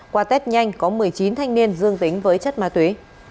qua tết nhanh có một mươi chín thanh niên dương tính với chất ma tuế